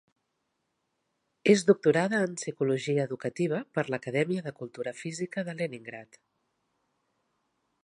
És doctorada en psicologia educativa per l'acadèmia de cultura física de Leningrad.